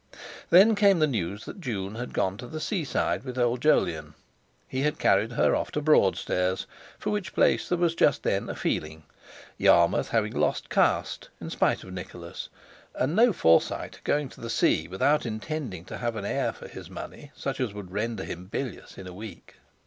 Then came the news that June had gone to the seaside with old Jolyon. He had carried her off to Broadstairs, for which place there was just then a feeling, Yarmouth having lost caste, in spite of Nicholas, and no Forsyte going to the sea without intending to have an air for his money such as would render him bilious in a week.